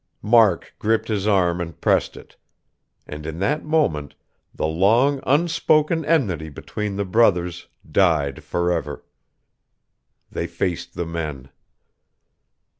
Mark gripped his arm and pressed it; and in that moment the long, unspoken enmity between the brothers died forever. They faced the men....